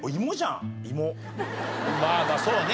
まあまあそうね